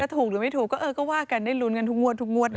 ถูกหรือไม่ถูกก็ว่ากันได้ลุ้นกันทุกงวด